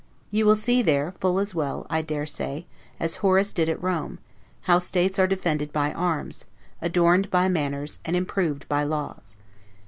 You will see there, full as well, I dare say, as Horace did at Rome, how states are defended by arms, adorned by manners, and improved by laws.